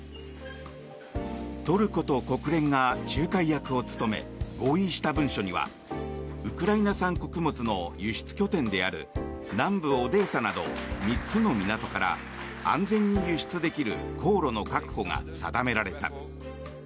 トルコと国連が仲介役を務め合意した文書にはウクライナ産穀物の輸出拠点である南部オデーサなど３つの港から安全に輸出できる航路の確保が定められた。